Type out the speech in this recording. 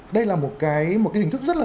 đây là một cái hình thức rất là